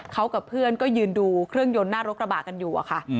เขากับเพื่อนก็ยืนดูเครื่องยนต์หน้ารถกระบะกันอยู่อะค่ะ